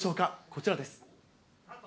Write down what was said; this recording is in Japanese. こちらです。